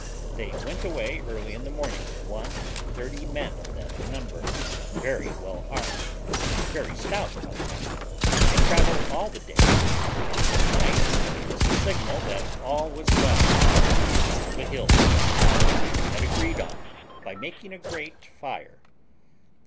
They went away early in the morning, one and thirty men of them in number, very well armed, and very stout fellows; they travelled all the day, and at night made us a signal that all was well, from the top of a hill, which we had agreed on, by making a great fire.